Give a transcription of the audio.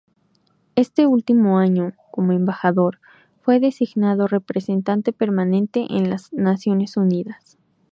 Ese último año, como embajador, fue designado representante permanente en las Naciones Unidas.